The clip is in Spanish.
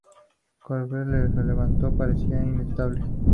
Kovalev se levantó, pero parecía inestable.